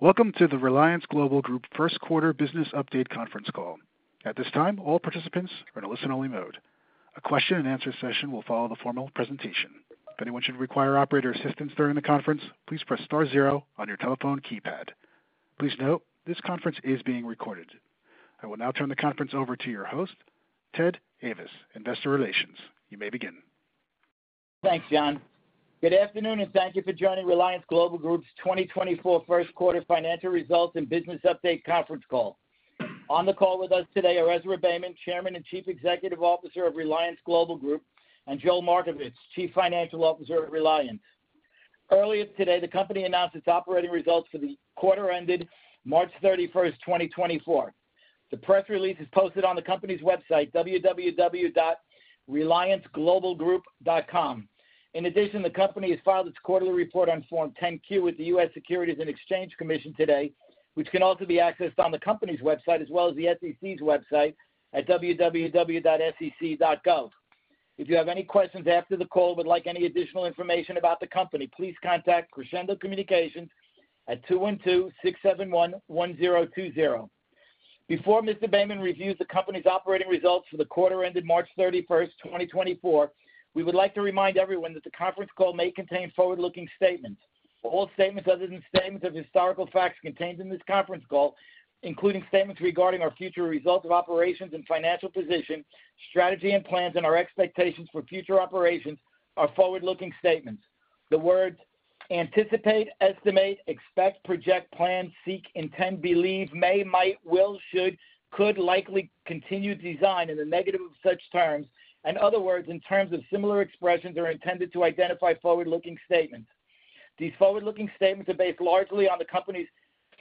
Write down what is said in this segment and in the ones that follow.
Welcome to the Reliance Global Group First Quarter Business Update Conference Call. At this time, all participants are in a listen-only mode. A question-and-answer session will follow the formal presentation. If anyone should require operator assistance during the conference, please press star zero on your telephone keypad. Please note, this conference is being recorded. I will now turn the conference over to your host, Ted Ayvas, Investor Relations. You may begin. Thanks, John. Good afternoon, and thank you for joining Reliance Global Group's 2024 first quarter financial results and business update conference call. On the call with us today are Ezra Beyman, Chairman and Chief Executive Officer of Reliance Global Group, and Joel Markovits, Chief Financial Officer at Reliance. Earlier today, the company announced its operating results for the quarter ended March 31, 2024. The press release is posted on the company's website, www.relianceglobalgroup.com. In addition, the company has filed its quarterly report on Form 10-Q with the US Securities and Exchange Commission today, which can also be accessed on the company's website, as well as the SEC's website at www.sec.gov. If you have any questions after the call or would like any additional information about the company, please contact Crescendo Communications at 212-671-1020. Before Mr. Beyman reviews the company's operating results for the quarter ended March 31, 2024. We would like to remind everyone that the conference call may contain forward-looking statements. All statements other than statements of historical facts contained in this conference call, including statements regarding our future results of operations and financial position, strategy and plans, and our expectations for future operations, are forward-looking statements. The words anticipate, estimate, expect, project, plan, seek, intend, believe, may, might, will, should, could, likely, continue, design, and the negative of such terms, and other words and terms of similar expressions, are intended to identify forward-looking statements. These forward-looking statements are based largely on the company's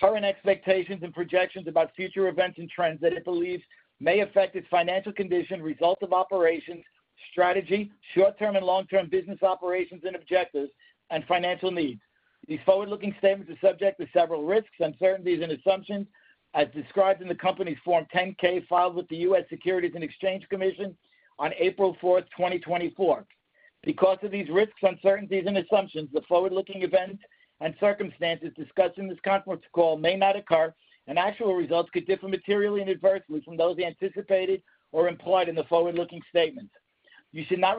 current expectations and projections about future events and trends that it believes may affect its financial condition, results of operations, strategy, short-term and long-term business operations and objectives, and financial needs. These forward-looking statements are subject to several risks, uncertainties, and assumptions as described in the company's Form 10-K filed with the U.S. Securities and Exchange Commission on April 4, 2024. Because of these risks, uncertainties, and assumptions, the forward-looking events and circumstances discussed in this conference call may not occur, and actual results could differ materially and adversely from those anticipated or implied in the forward-looking statements. You should not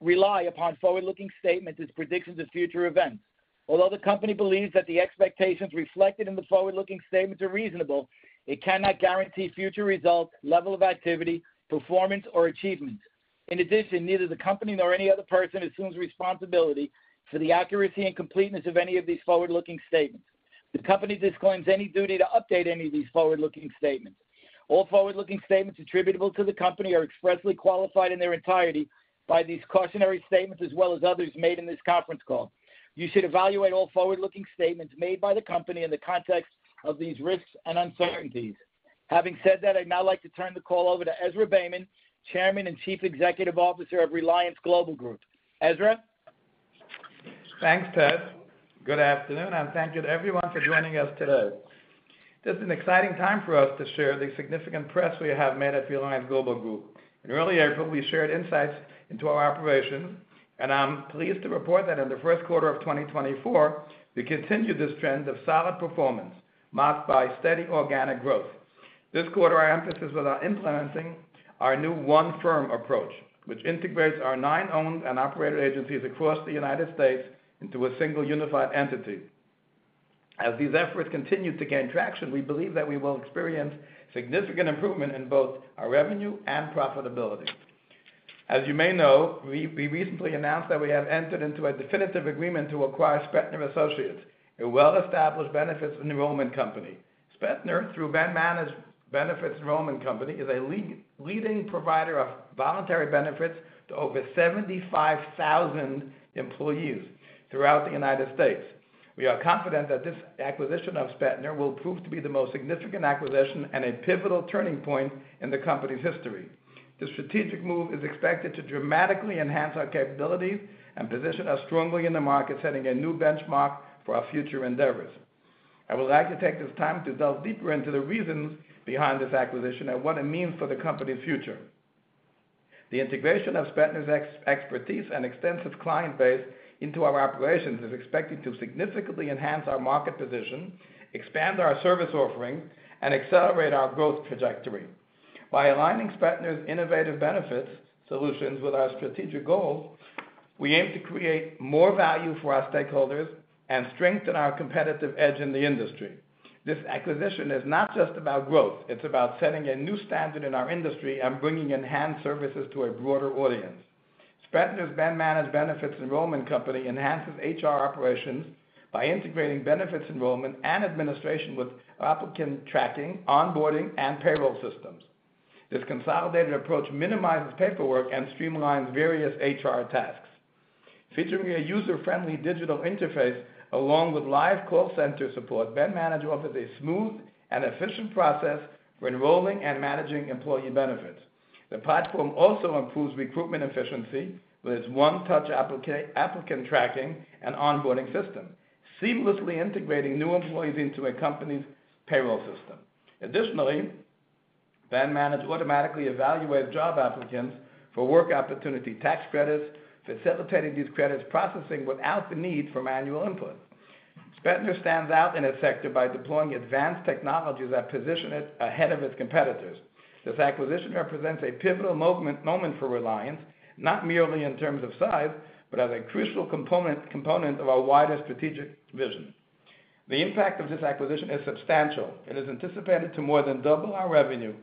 rely upon forward-looking statements as predictions of future events. Although the company believes that the expectations reflected in the forward-looking statements are reasonable, it cannot guarantee future results, level of activity, performance, or achievements. In addition, neither the company nor any other person assumes responsibility for the accuracy and completeness of any of these forward-looking statements. The company disclaims any duty to update any of these forward-looking statements. All forward-looking statements attributable to the company are expressly qualified in their entirety by these cautionary statements as well as others made in this conference call. You should evaluate all forward-looking statements made by the company in the context of these risks and uncertainties. Having said that, I'd now like to turn the call over to Ezra Beyman, Chairman and Chief Executive Officer of Reliance Global Group. Ezra? Thanks, Ted. Good afternoon, and thank you to everyone for joining us today. This is an exciting time for us to share the significant progress we have made at Reliance Global Group. In early April, we shared insights into our operations, and I'm pleased to report that in the first quarter of 2024, we continued this trend of solid performance, marked by steady organic growth. This quarter, our emphasis was on implementing our new One Firm approach, which integrates our nine owned and operated agencies across the United States into a single unified entity. As these efforts continue to gain traction, we believe that we will experience significant improvement in both our revenue and profitability. As you may know, we recently announced that we have entered into a definitive agreement to acquire Spetner Associates, a well-established benefits enrollment company. Spetner, through BenManage Benefits Enrollment Company, is a leading provider of voluntary benefits to over 75,000 employees throughout the United States. We are confident that this acquisition of Spetner will prove to be the most significant acquisition and a pivotal turning point in the company's history. This strategic move is expected to dramatically enhance our capabilities and position us strongly in the market, setting a new benchmark for our future endeavors. I would like to take this time to delve deeper into the reasons behind this acquisition and what it means for the company's future. The integration of Spetner's expertise and extensive client base into our operations is expected to significantly enhance our market position, expand our service offering, and accelerate our growth trajectory. By aligning Spetner's innovative benefits solutions with our strategic goals, we aim to create more value for our stakeholders and strengthen our competitive edge in the industry. This acquisition is not just about growth, it's about setting a new standard in our industry and bringing enhanced services to a broader audience. Spetner's BenManage Benefits Enrollment Company enhances HR operations by integrating benefits enrollment and administration with applicant tracking, onboarding, and payroll systems. This consolidated approach minimizes paperwork and streamlines various HR tasks. Featuring a user-friendly digital interface along with live call center support, BenManage offers a smooth and efficient process for enrolling and managing employee benefits. The platform also improves recruitment efficiency with its one-touch applicant tracking and onboarding system, seamlessly integrating new employees into a company's payroll system. Additionally. BenManage automatically evaluates job applicants for Work Opportunity Tax Credits, facilitating these credits processing without the need for manual input. Spetner stands out in its sector by deploying advanced technologies that position it ahead of its competitors. This acquisition represents a pivotal moment for Reliance, not merely in terms of size, but as a crucial component of our wider strategic vision. The impact of this acquisition is substantial. It is anticipated to more than double our revenue.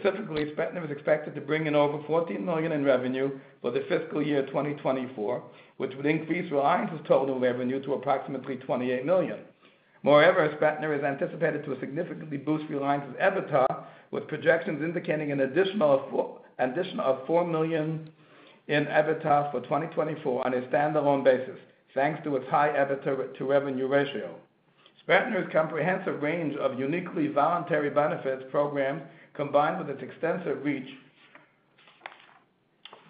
Specifically, Spetner is expected to bring in over $14 million in revenue for the fiscal year 2024, which would increase Reliance's total revenue to approximately $28 million. Moreover, Spetner is anticipated to significantly boost Reliance's EBITDA, with projections indicating an addition of $4 million in EBITDA for 2024 on a standalone basis, thanks to its high EBITDA to revenue ratio. Spetner's comprehensive range of uniquely voluntary benefits program, combined with its extensive reach,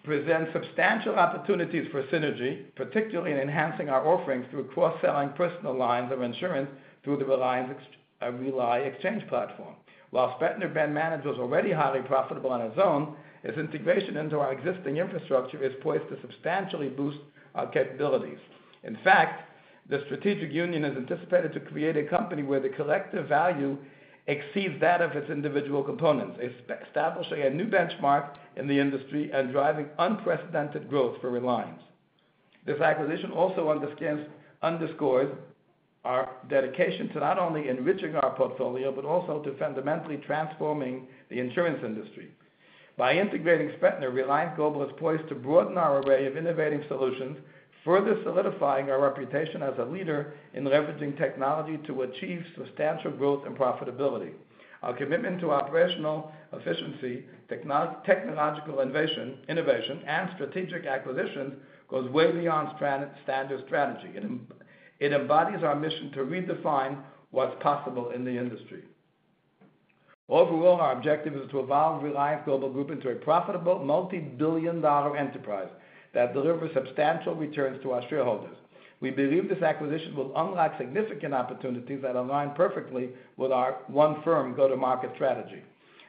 presents substantial opportunities for synergy, particularly in enhancing our offerings through cross-selling personal lines of insurance through the RELI Exchange platform. While Spetner BenManage was already highly profitable on its own, its integration into our existing infrastructure is poised to substantially boost our capabilities. In fact, the strategic union is anticipated to create a company where the collective value exceeds that of its individual components. It's establishing a new benchmark in the industry and driving unprecedented growth for Reliance. This acquisition also underscores our dedication to not only enriching our portfolio, but also to fundamentally transforming the insurance industry. By integrating Spetner, Reliance Global is poised to broaden our array of innovative solutions, further solidifying our reputation as a leader in leveraging technology to achieve substantial growth and profitability. Our commitment to operational efficiency, technological innovation, and strategic acquisition goes way beyond standard strategy. It embodies our mission to redefine what's possible in the industry. Overall, our objective is to evolve Reliance Global Group into a profitable, multi-billion dollar enterprise that delivers substantial returns to our shareholders. We believe this acquisition will unlock significant opportunities that align perfectly with our One Firm go-to-market strategy.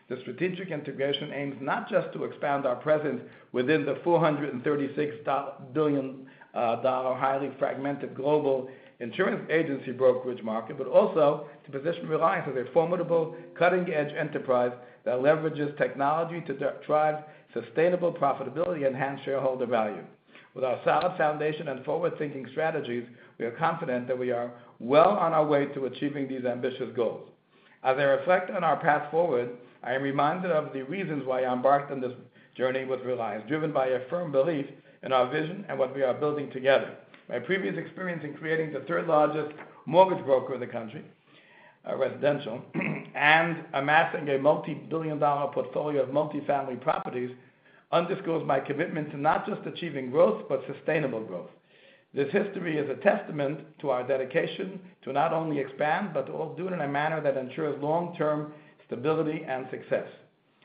The strategic integration aims not just to expand our presence within the $436 billion, highly fragmented global insurance agency brokerage market, but also to position Reliance as a formidable, cutting-edge enterprise that leverages technology to drive sustainable profitability and enhance shareholder value. With our solid foundation and forward-thinking strategies, we are confident that we are well on our way to achieving these ambitious goals. As I reflect on our path forward, I am reminded of the reasons why I embarked on this journey with Reliance, driven by a firm belief in our vision and what we are building together. My previous experience in creating the third-largest mortgage broker in the country, residential, and amassing a multi-billion dollar portfolio of multifamily properties, underscores my commitment to not just achieving growth, but sustainable growth. This history is a testament to our dedication to not only expand, but to all do it in a manner that ensures long-term stability and success.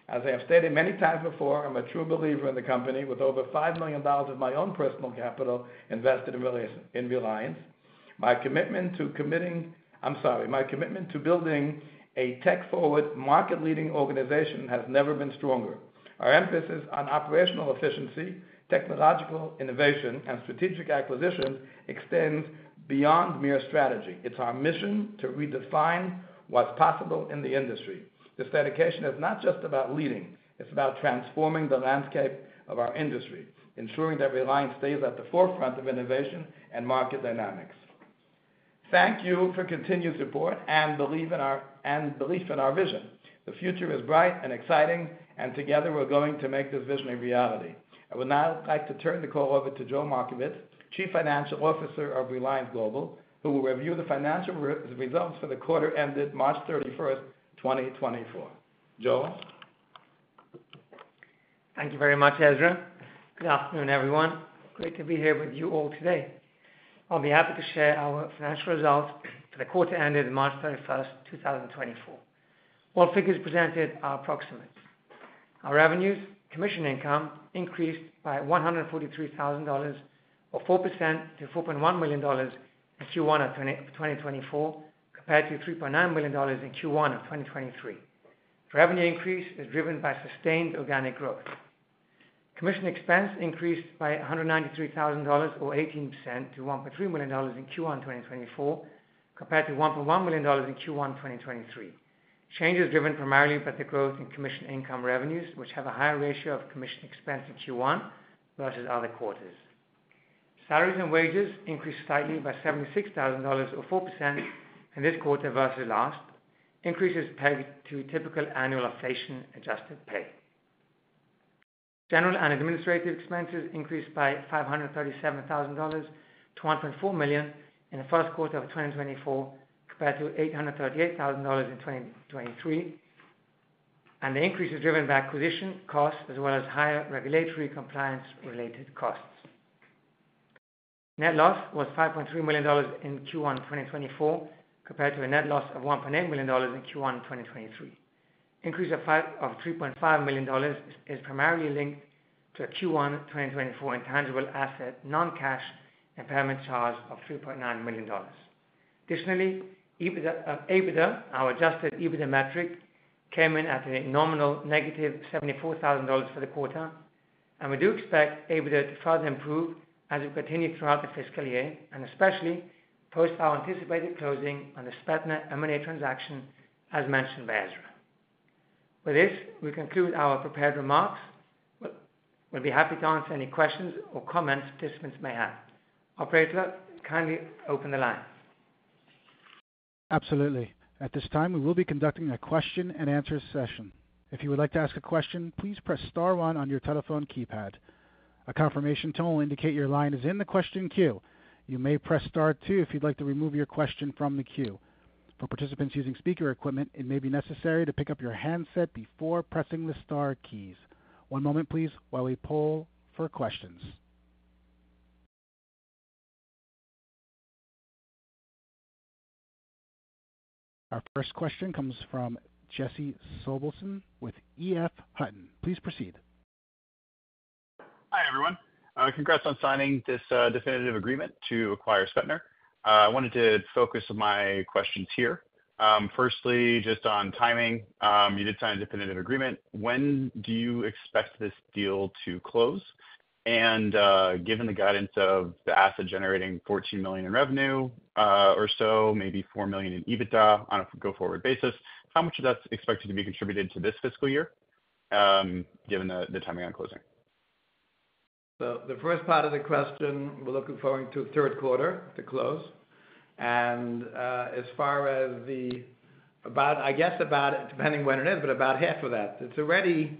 As I have stated many times before, I'm a true believer in the company, with over $5 million of my own personal capital invested in Reliance- in Reliance. My commitment to building a tech-forward, market-leading organization has never been stronger. Our emphasis on operational efficiency, technological innovation, and strategic acquisition extends beyond mere strategy. It's our mission to redefine what's possible in the industry. This dedication is not just about leading, it's about transforming the landscape of our industry, ensuring that Reliance stays at the forefront of innovation and market dynamics. Thank you for continued support and belief in our vision. The future is bright and exciting, and together, we're going to make this vision a reality. I would now like to turn the call over to Joel Markovits, Chief Financial Officer of Reliance Global Group, who will review the financial results for the quarter ended March thirty-first, 2024. Joel? Thank you very much, Ezra. Good afternoon, everyone. Great to be here with you all today. I'll be happy to share our financial results for the quarter ended March thirty-first, two thousand and twenty-four. All figures presented are approximate. Our revenues, commission income increased by $143,000, or 4% to $4.1 million in Q1 of 2024, compared to $3.9 million in Q1 of 2023. Revenue increase is driven by sustained organic growth. Commission expense increased by $193,000 or 18% to $1.3 million in Q1 2024, compared to $1.1 million in Q1 2023. Change is driven primarily by the growth in commission income revenues, which have a higher ratio of commission expense in Q1 versus other quarters. Salaries and wages increased slightly by $76,000 or 4% in this quarter versus last, increases pegged to typical annual inflation-adjusted pay. General and administrative expenses increased by $537,000 to $1.4 million in the first quarter of 2024, compared to $838,000 in 2023. And the increase is driven by acquisition costs as well as higher regulatory compliance related costs. Net loss was $5.3 million in Q1 2024, compared to a net loss of $1.8 million in Q1 2023. Increase of three point five million dollars is primarily linked to a Q1 2024 intangible asset, non-cash impairment charge of $3.9 million. Additionally, EBITDA, Adjusted EBITDA, our Adjusted EBITDA metric, came in at a nominal -$74,000 for the quarter, and we do expect adjusted AIBDA to further improve as we continue throughout the fiscal year, and especially post our anticipated closing on the Spetner M&A transaction, as mentioned by Ezra. With this, we conclude our prepared remarks. We'll be happy to answer any questions or comments participants may have. Operator, kindly open the line. Absolutely. At this time, we will be conducting a question and answer session. If you would like to ask a question, please press star one on your telephone keypad. A confirmation tone will indicate your line is in the question queue. You may press star two if you'd like to remove your question from the queue. For participants using speaker equipment, it may be necessary to pick up your handset before pressing the star keys. One moment please, while we poll for questions. Our first question comes from Jesse Sobelson with EF Hutton. Please proceed. Hi, everyone. Congrats on signing this definitive agreement to acquire Spetner. I wanted to focus my questions here. Firstly, just on timing, you did sign a definitive agreement. When do you expect this deal to close? And, given the guidance of the asset generating $14 million in revenue, or so, maybe $4 million in EBITDA on a go-forward basis, how much of that's expected to be contributed to this fiscal year, given the timing on closing? So the first part of the question, we're looking forward to the third quarter to close. And as far as about, depending when it is, but about half of that. It's already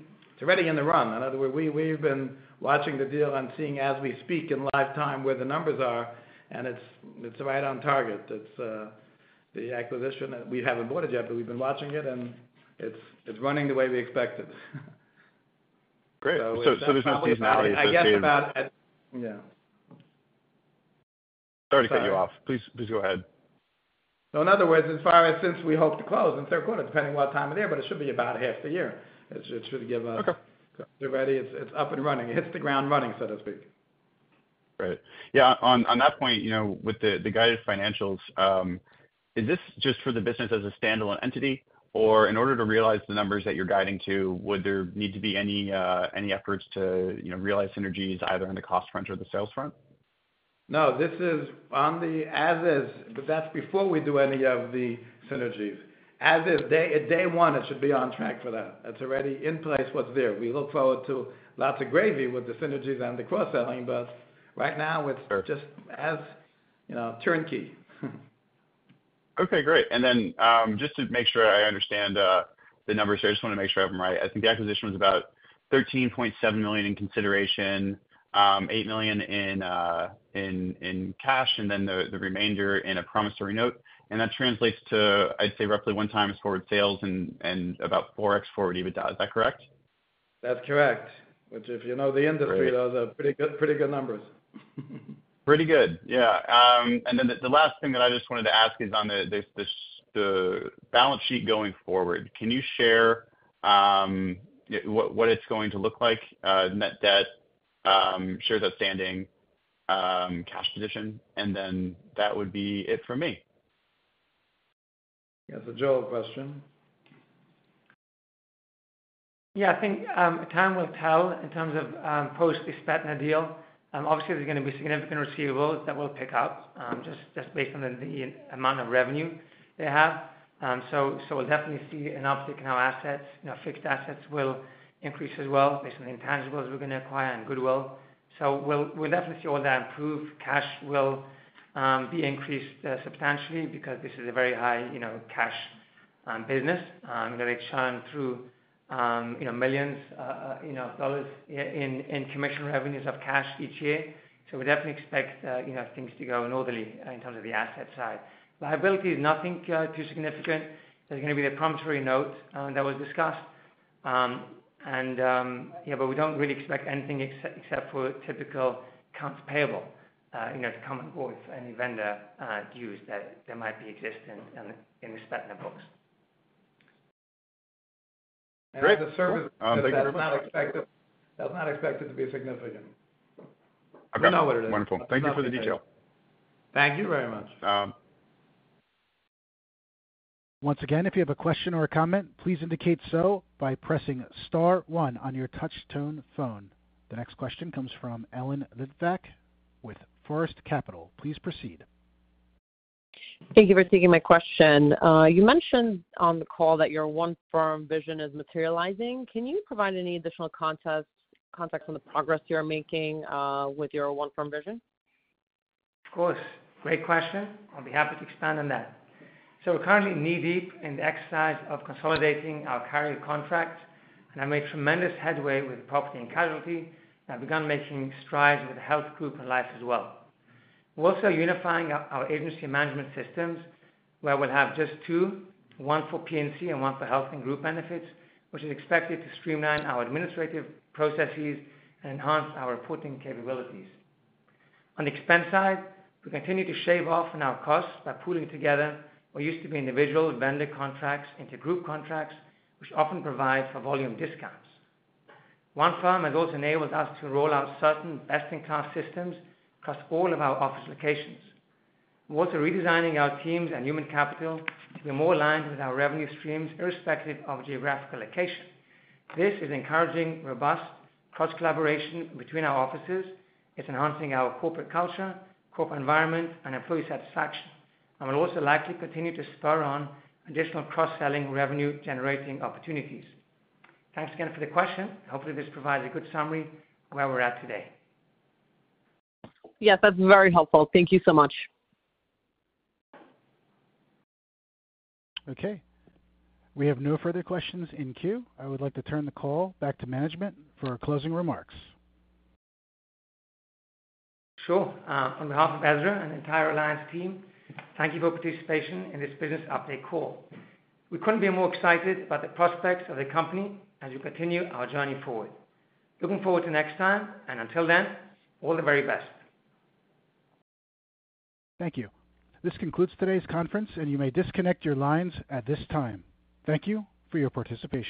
in the run. In other words, we've been watching the deal and seeing as we speak in real time, where the numbers are, and it's right on target. It's the acquisition that we haven't bought it yet, but we've been watching it, and it's running the way we expected. Great. So there's no externalities that- I guess about, yeah. Sorry to cut you off. Please, please go ahead. So in other words, as far as since we hope to close in third quarter, depending what time of the year, but it should be about half the year. It should give a- Okay. Already it's, it's up and running. It hits the ground running, so to speak. Great. Yeah, on that point, you know, with the guided financials, is this just for the business as a standalone entity? Or in order to realize the numbers that you're guiding to, would there need to be any efforts to, you know, realize synergies either on the cost front or the sales front? No, this is on the as is, but that's before we do any of the synergies. As is, day, day one, it should be on track for that. That's already in place, what's there. We look forward to lots of gravy with the synergies and the cross-selling, but right now it's- Sure... just as, you know, turnkey. Okay, great. And then, just to make sure I understand, the numbers here, I just wanna make sure I have them right. I think the acquisition was about $13.7 million in consideration, eight million in cash, and then the remainder in a promissory note. And that translates to, I'd say, roughly 1x forward sales and about 4x forward EBITDA. Is that correct? That's correct. Which, if you know the industry- Great... those are pretty good, pretty good numbers. Pretty good, yeah. And then the last thing that I just wanted to ask is on the balance sheet going forward. Can you share what it's going to look like, net debt, shares outstanding, cash position? And then that would be it for me. Yeah, it's a Joel question. Yeah, I think time will tell in terms of post the Spetner deal. Obviously, there's gonna be significant receivables that will pick up, just based on the amount of revenue they have. So we'll definitely see an uptick in our assets. You know, fixed assets will increase as well, based on the intangibles we're gonna acquire and goodwill. So we'll definitely see all that improve. Cash will be increased substantially because this is a very high cash business that they churn through millions of dollars in commission revenues of cash each year. So we definitely expect things to go inwardly in terms of the asset side. Liability is nothing too significant. There's gonna be the promissory note that was discussed. Yeah, but we don't really expect anything except for typical accounts payable, you know, to come on board for any vendor dues that might be existing in the Spetner books. Great. The service, that's not expected, that's not expected to be significant. I got it. You know what it is. Wonderful. Thank you for the detail. Thank you very much. Um- Once again, if you have a question or a comment, please indicate so by pressing star one on your touch tone phone. The next question comes from uncertain Capital. Please proceed. Thank you for taking my question. You mentioned on the call that your one-firm vision is materializing. Can you provide any additional context, context on the progress you are making, with your one-firm vision? Of course. Great question. I'll be happy to expand on that. So we're currently knee-deep in the exercise of consolidating our carrier contracts, and have made tremendous headway with property and casualty, and have begun making strides with the health group and life as well. We're also unifying our, our agency management systems, where we'll have just two, one for P&C and one for health and group benefits, which is expected to streamline our administrative processes and enhance our reporting capabilities. On the expense side, we continue to shave off on our costs by pooling together what used to be individual vendor contracts into group contracts, which often provide for volume discounts. One Firm has also enabled us to roll out certain best-in-class systems across all of our office locations. We're also redesigning our teams and human capital to be more aligned with our revenue streams, irrespective of geographical location. This is encouraging robust cross-collaboration between our offices. It's enhancing our corporate culture, corporate environment, and employee satisfaction, and will also likely continue to spur on additional cross-selling revenue generating opportunities. Thanks again for the question. Hopefully, this provides a good summary of where we're at today. Yes, that's very helpful. Thank you so much. Okay. We have no further questions in queue. I would like to turn the call back to management for closing remarks. Sure. On behalf of Ezra and the entire Reliance team, thank you for your participation in this business update call. We couldn't be more excited about the prospects of the company as we continue our journey forward. Looking forward to next time, and until then, all the very best. Thank you. This concludes today's conference, and you may disconnect your lines at this time. Thank you for your participation.